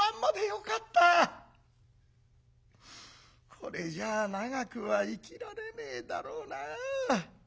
これじゃあ長くは生きられねえだろうな。